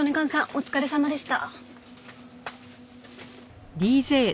お疲れさまでした。